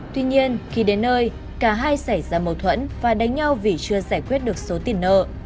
tuy nhiên khi đến nơi cả hai xảy ra mâu thuẫn và đánh nhau vì chưa giải quyết được số tiền nợ